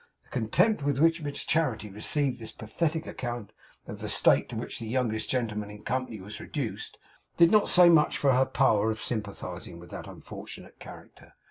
The contempt with which Miss Charity received this pathetic account of the state to which the youngest gentleman in company was reduced, did not say much for her power of sympathising with that unfortunate character.